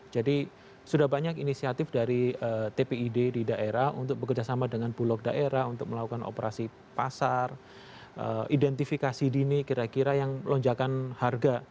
jadi sudah banyak inisiatif dari tpid di daerah untuk bekerjasama dengan bulog daerah untuk melakukan operasi pasar identifikasi dini kira kira yang lonjakan harga